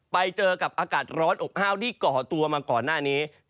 ไปเจอกับอากาศร้อนอบอ้าวที่ก่อตัวมาก่อนหน้านี้